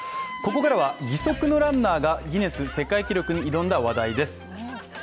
ここからは義足のランナーがギネス世界記録に挑んだ話題です。